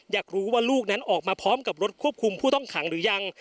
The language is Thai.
อยากรู้ว่าลูกนั้นออกมาพร้อมกับรถควบคุมผู้ต้องขังหรือยัง